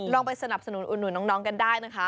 ลองไปสนับสนุนอุ่นน้องกันได้นะคะ